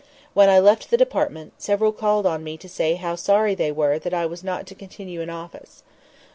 When I left the Department, several called upon me to say how sorry they were that I was not to continue in office.